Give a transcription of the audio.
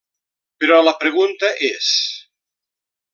Però la pregunta és: